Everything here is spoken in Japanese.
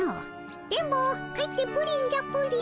電ボ帰ってプリンじゃプリン。